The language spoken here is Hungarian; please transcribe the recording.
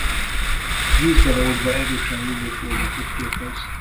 Vízben oldva erősen lúgos oldatot képez.